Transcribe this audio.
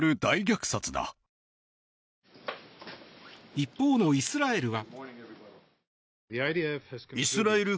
一方のイスラエルは。